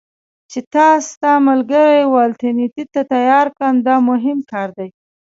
چې تا ستا ملګري والنتیني ته تیار کړم، دا مهم کار دی.